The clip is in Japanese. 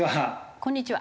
こんにちは。